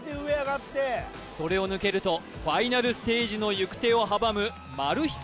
それを抜けるとファイナルステージの行く手を阻むマル秘